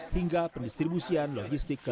hingga pendistribusian logistik ke